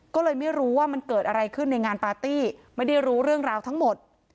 ก็เลยไม่รู้ว่ามันเกิดอะไรขึ้นในงานปาร์ตี้ไม่ได้รู้เรื่องราวทั้งหมด